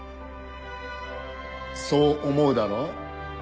そう思うだろ？